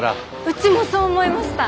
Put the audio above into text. うちもそう思いました！